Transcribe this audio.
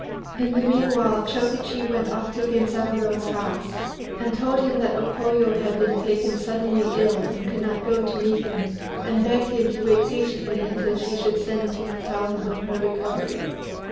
In the meanwhile, Chokichi went off to Genzaburô's house, and told him that O Koyo had been taken suddenly ill, and could not go to meet him, and begged him to wait patiently until she should send to tell him of her recovery.